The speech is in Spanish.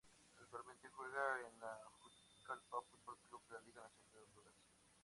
Actualmente juega en el Juticalpa Fútbol Club de la Liga Nacional de Honduras.